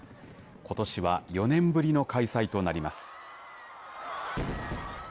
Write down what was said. ことしは４年ぶりの開催となります。